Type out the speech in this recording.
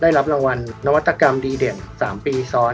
ได้รับรางวัลนวัตกรรมดีเด่น๓ปีซ้อน